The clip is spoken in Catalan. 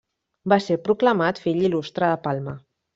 Va ser proclamat fill il·lustre de Palma.